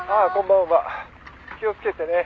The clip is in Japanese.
「気をつけてね」